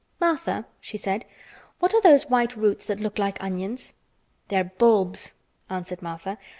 "Martha," she said, "what are those white roots that look like onions?" "They're bulbs," answered Martha.